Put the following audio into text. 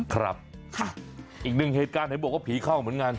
ครับอีกหนึ่งเหตุการณ์เห็นบอกว่าผีเข้าเหมือนกัน